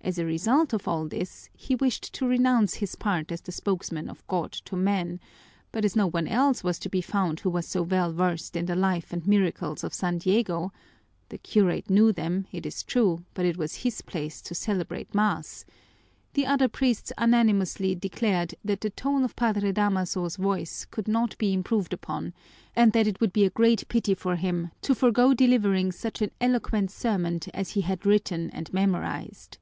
As a result of all this, he wished to renounce his part as the spokesman of God to men, but as no one else was to be found who was so well versed in the life and miracles of San Diego, the curate knew them, it is true, but it was his place to celebrate mass, the other priests unanimously declared that the tone of Padre Damaso's voice could not be improved upon and that it would be a great pity for him to forego delivering such an eloquent sermon as he had written and memorized.